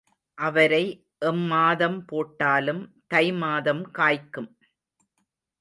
அவரை எம்மாதம் போட்டாலும் தை மாதம் காய்க்கும்.